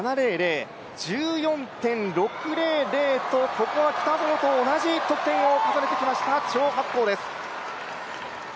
ここは北園と同じ得点を重ねてきました張博恒です。